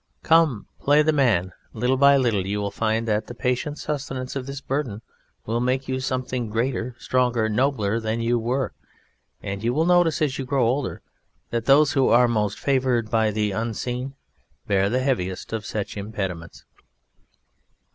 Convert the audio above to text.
Come, play the man! Little by little you will find that the patient sustenance of this Burden will make you something greater, stronger, nobler than you were, and you will notice as you grow older that those who are most favoured by the Unseen bear the heaviest of such impediments."